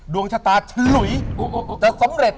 ดวงชะตาถุ๋ยจะสำเร็จ